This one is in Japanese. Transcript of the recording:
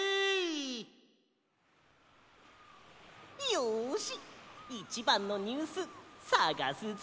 よしいちばんのニュースさがすぞ！